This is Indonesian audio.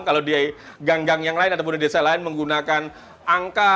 kalau di gang gang yang lain ataupun di desa lain menggunakan angka